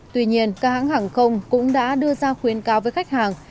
tuy nhiên các hãng hàng không cũng đã đưa ra khuyến cáo với khách hàng